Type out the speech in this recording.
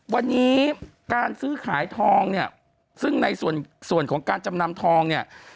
วันนี้การซื้อขายทองเนี่ยซึ่งในส่วนของการจำนำทองเนี่ย